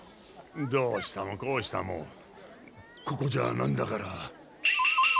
どうしたもこうしたもここじゃなんだから。